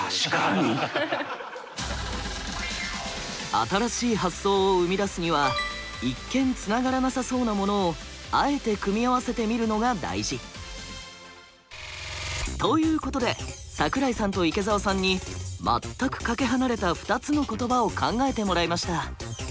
新しい発想を生み出すには一見つながらなさそうなものをあえて組み合わせてみるのが大事。ということで桜井さんと池澤さんに全くかけ離れた２つの言葉を考えてもらいました。